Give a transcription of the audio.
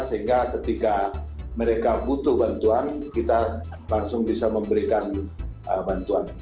sehingga ketika mereka butuh bantuan kita langsung bisa memberikan bantuan